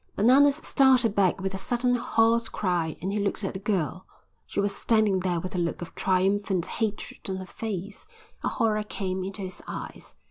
Bananas started back with a sudden hoarse cry and he looked at the girl. She was standing there with a look of triumphant hatred on her face. A horror came into his eyes.